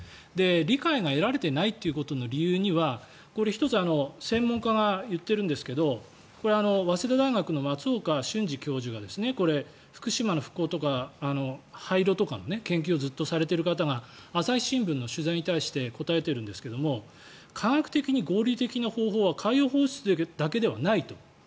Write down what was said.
理解を得られていないことの理由にはこれ、１つ専門家が言っているんですが早稲田大学のマツオカ教授が福島の復興とか廃炉とかの研究をずっとされている方が朝日新聞の取材に対して答えてるんですが科学的に合理的な方法は海洋放出だけではないと。